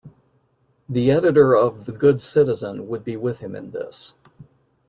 The editor of "The Good Citizen" would be with him in this.